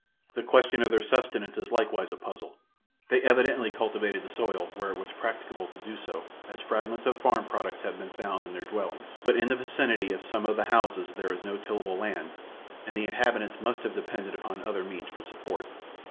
The question of their subsistence is likewise a puzzle. They evidently cultivated the soil where it was practicable to do so as fragments of farm products have been found in their dwellings, but in the vicinity of some of the houses there is no tillable land and the inhabitants must have depended upon other means for support.